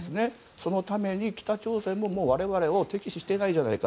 そのために北朝鮮は我々を敵視してないじゃないか。